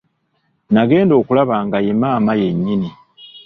Nagenda okulaba nga ye maama ye nnyini.